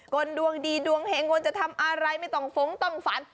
ดวงดีดวงเห็งควรจะทำอะไรไม่ต้องฟงต้องฝัน